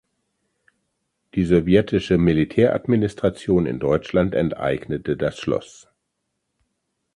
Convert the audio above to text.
Die Sowjetische Militäradministration in Deutschland enteignete das Schloss.